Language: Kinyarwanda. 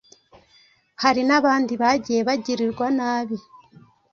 hari n’abandi bagiye bagirirwa nabi